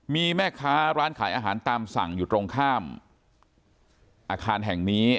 มีแม่ค้าร้านขายอาหารตามสั่งอยู่ตรงข้ามอาคารแห่งนี้